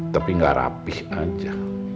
tapi gak rapih aja